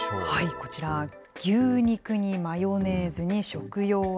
こちら、牛肉にマヨネーズに、食用油。